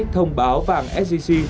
thông báo vàng szc